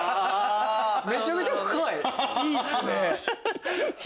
めちゃめちゃ深いいいっすね。